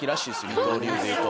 二刀流で言うと。